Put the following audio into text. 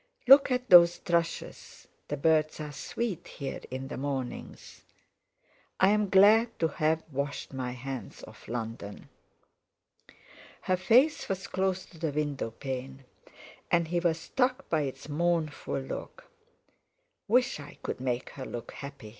Look at those thrushes—the birds are sweet here in the mornings. I'm glad to have washed my hands of London." Her face was close to the window pane, and he was struck by its mournful look. "Wish I could make her look happy!"